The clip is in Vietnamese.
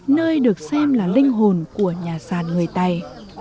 nơi được xem là linh hồn của nhà sàn người tày